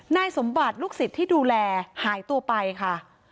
นายสมบัติลูกศิษย์ที่ดูแลหายตัวไปค่ะ